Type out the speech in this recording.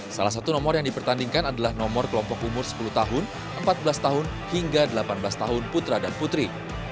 salah satu nomor yang dipertandingkan adalah nomor kelompok umur sepuluh tahun empat belas tahun hingga delapan belas tahun putra dan putri